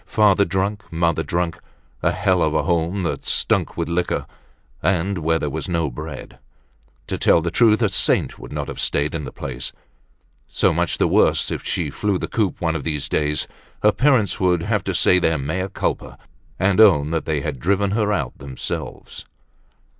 Father drunk, mother drunk, a hell of a home that stunk with liquor, and where there was no bread. To tell the truth, a saint would not have stayed in the place. So much the worse if she flew the coop one of these days; her parents would have to say their mea culpa, and own that they had driven her out themselves.